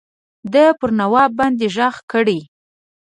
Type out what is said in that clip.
ده پر نواب باندي ږغ کړی.